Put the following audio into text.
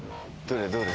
どれ？